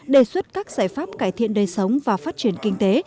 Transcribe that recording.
đề xuất các giải pháp cải thiện đời sống và phát triển kinh tế